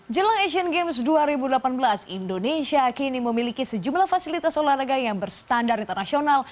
jelang asian games dua ribu delapan belas indonesia kini memiliki sejumlah fasilitas olahraga yang berstandar internasional